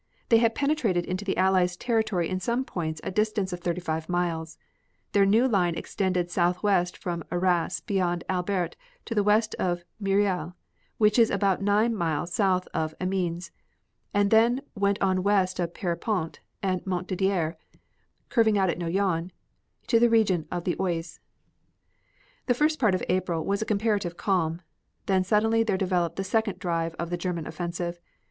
They had penetrated into the Allies' territory in some points a distance of thirty five miles. Their new line extended southwest from Arras beyond Albert to the west of Moreuil, which is about nine miles south of Amiens, and then went on west of Pierrepont and Montdidier, curving out at Noyon to the region of the Oise. The first part of April was a comparative calm, when suddenly there developed the second drive of the German offensive.